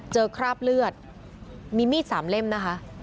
คราบเลือดมีมีด๓เล่มนะคะ